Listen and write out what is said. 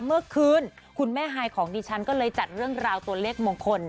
เมื่อคืนคุณแม่ฮายของดิฉันก็เลยจัดเรื่องราวตัวเลขมงคล